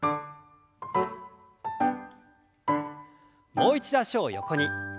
もう一度脚を横に。